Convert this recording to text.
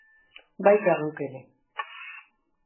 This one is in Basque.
Baita geuk ere!